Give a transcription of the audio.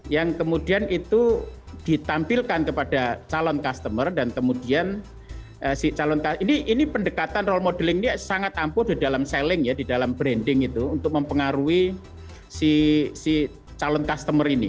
yang kemudian itu ditampilkan kepada calon customer dan kemudian si calon custo ini pendekatan role modeling ini sangat ampuh di dalam selling ya di dalam branding itu untuk mempengaruhi si calon customer ini